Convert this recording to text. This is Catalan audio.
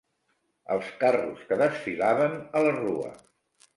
Els carros que desfilaven a la rua.